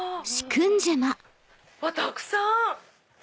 たくさん！